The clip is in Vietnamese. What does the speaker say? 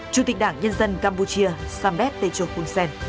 chủ tịch đảng nhân dân campuchia sambet techo khunsen